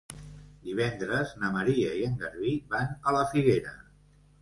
Divendres na Maria i en Garbí van a la Figuera.